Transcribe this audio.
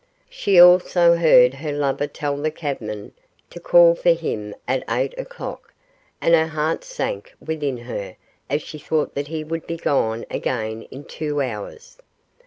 She also heard her lover tell the cabman to call for him at eight o'clock, and her heart sank within her as she thought that he would be gone again in two hours.